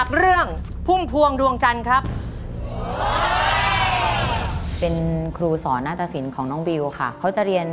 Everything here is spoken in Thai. ซึ่งเป็นคำตอบที่